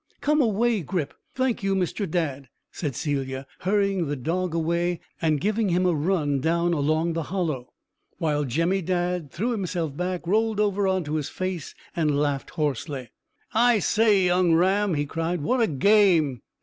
"Come away, Grip. Thank you, Mr Dadd," said Celia, hurrying the dog away, and giving him a run down along the hollow; while Jemmy Dadd threw himself back, rolled over on to his face, and laughed hoarsely. "I say, young Ram," he cried, "what a game!"